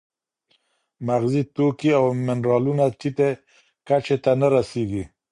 مغذي توکي او منرالونه ټیټه کچه ته نه رسېږي.